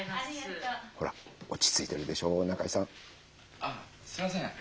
あっすいません。